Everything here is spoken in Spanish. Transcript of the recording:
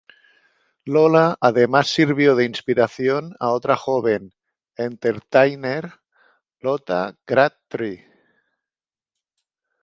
Lola además sirvió de inspiración a otra joven "entertainer", Lotta Crabtree.